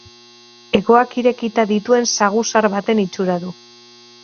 Hegoak irekita dituen saguzar baten itxura du.